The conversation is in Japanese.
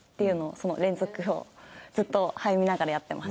その連続をずっと見ながらやってます。